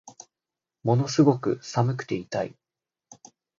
ものすごく寒くて痛い